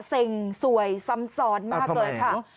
เซ็งสวยซ้ำซ้อนมากเลยค่ะ